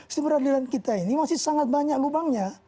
sistem peradilan kita ini masih sangat banyak lubangnya